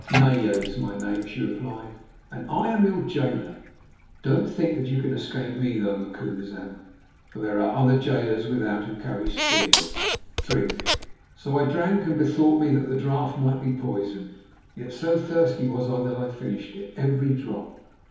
"Naya is my name," she replied, "and I am your jailer. Don't think that you can escape me, though, Macumazahn, for there are other jailers without who carry spears. Drink." So I drank and bethought me that the draught might be poisoned. Yet so thirsty was I that I finished it, every drop.